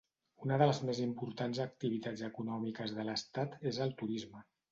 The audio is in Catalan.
Una de les més importants activitats econòmiques de l'estat és el turisme.